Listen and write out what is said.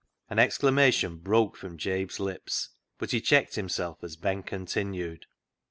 An exclamation broke from Jabe's lips, but he checked himself as Ben continued.